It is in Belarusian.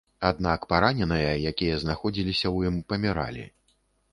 Аднак параненыя, якія знаходзіліся ў ім, паміралі.